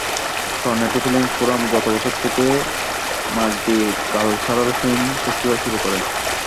Toronto film forum গত বছর থেকে মাল্টিকালচারাল ফিল্ম ফেস্টিভ্যাল শুরু করে।